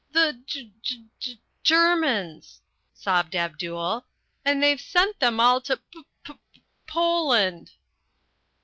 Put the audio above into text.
"The G G G Germans," sobbed Abdul. "And they've sent them all to P P P Poland."